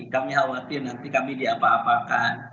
kami khawatir nanti kami diapa apakan